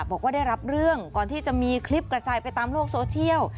บอกว่าได้รับเรื่องก่อนที่จะมีคลิปกระจายไปตามโลกโซเชียล